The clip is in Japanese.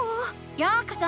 ようこそ！